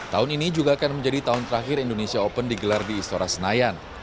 tahun ini juga akan menjadi tahun terakhir indonesia open digelar di istora senayan